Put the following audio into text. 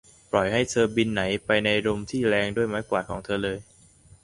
ปล่อยให้เธอบินไหนไปในลมที่แรงด้วยไม้กวาดขอเธอเลย !